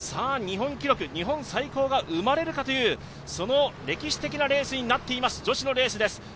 その女子単独レースで日本記録、日本最高が生まれるかという歴史的なレースになっています、女子のレースです。